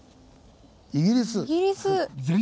「イギリス」。